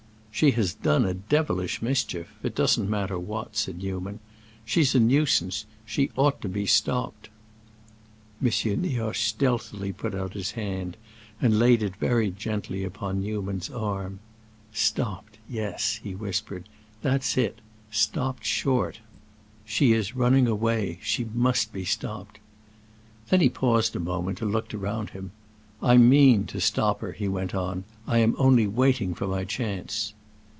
"She has done a devilish mischief; it doesn't matter what," said Newman. "She's a nuisance; she ought to be stopped." M. Nioche stealthily put out his hand and laid it very gently upon Newman's arm. "Stopped, yes," he whispered. "That's it. Stopped short. She is running away—she must be stopped." Then he paused a moment and looked round him. "I mean to stop her," he went on. "I am only waiting for my chance."